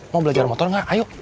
mau belajar motor nggak ayo